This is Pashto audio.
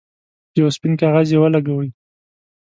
په یو سپین کاغذ یې ولګوئ.